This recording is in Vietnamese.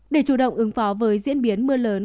để chủ động ứng phó với diễn biến mưa lớn